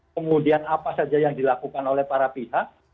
kemudian apa saja yang dilakukan oleh para pihak